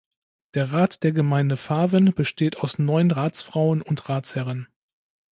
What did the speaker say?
Der Rat der Gemeinde Farven besteht aus neun Ratsfrauen und Ratsherren.